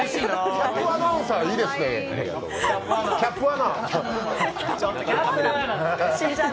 キャップアナウンサーいいですね、キャップアナ！